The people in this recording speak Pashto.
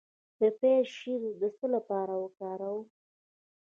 د پیاز شیره د څه لپاره وکاروم؟